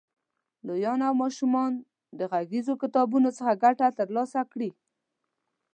لویان او ماشومان د غږیزو کتابونو څخه ګټه تر لاسه کړي.